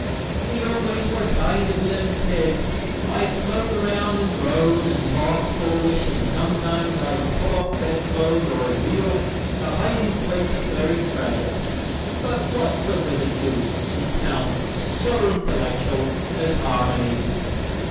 "We always were kind of limited. I float around and groan, and talk foolish, and sometimes I pull off bedclothes or reveal the hiding place of buried treasure. But what good does it do in a town so intellectual as Harmony?"